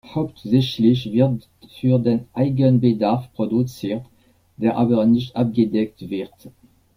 Hauptsächlich wird für den Eigenbedarf produziert, der aber nicht abgedeckt wird.